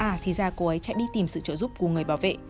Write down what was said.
à thì ra cô ấy chạy đi tìm sự trợ giúp của người bảo vệ